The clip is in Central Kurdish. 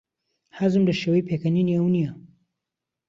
حەزم لە شێوەی پێکەنینی ئەو نییە.